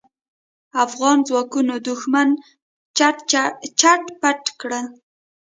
افغان ځواکونو دوښمن چټ پټ کړ.